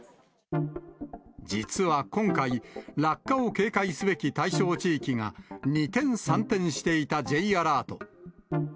実は今回、落下を警戒すべき対象地域が、二転三転していたＪアラート。